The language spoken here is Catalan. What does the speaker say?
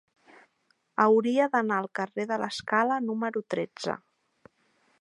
Hauria d'anar al carrer de l'Escala número tretze.